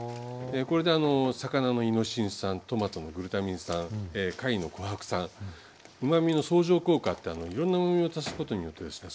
これで魚のイノシン酸トマトのグルタミン酸貝のコハク酸うまみの相乗効果っていろんなうまみを足すことによってですね